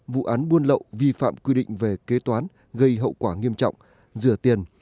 vụ án buôn lậu vi phạm quy định về kế toán gây hậu quả nghiêm trọng rửa tiền